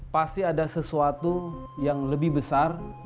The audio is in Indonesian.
pasti ada sesuatu yang lebih besar